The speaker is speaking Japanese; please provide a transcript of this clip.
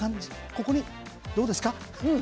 ここにどうですか？